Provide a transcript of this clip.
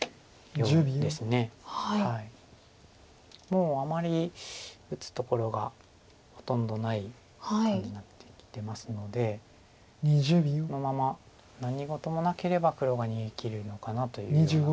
もうあまり打つところがほとんどない感じになってきてますのでこのまま何事もなければ黒が逃げきるのかなというような。